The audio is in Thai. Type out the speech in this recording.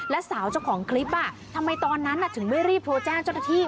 และสาวเจ้าของคลิปทำไมตอนนั้นถึงไม่รีบโทรแจ้งเจ้าหน้าที่